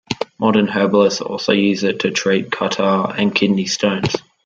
Modern herbalists also use it to treat catarrh and kidney stones.